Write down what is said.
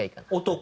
男？